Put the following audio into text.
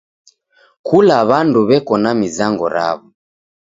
Kula w'andu w'eko na mizango raw'o.